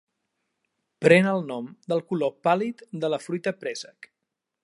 Pren el nom del color pàl·lid de la fruita préssec.